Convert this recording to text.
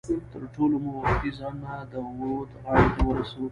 تر ټولو مو وختي ځانونه د ورد غاړې ته ورسو.